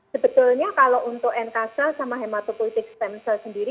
sebetulnya kalau untuk nkcal sama hematopoietic stem cell sendiri